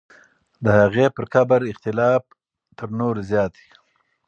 د هغې پر قبر اختلاف تر نورو زیات دی.